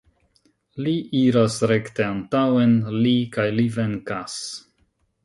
Li iras rekte antaŭen, li, kaj li venkas!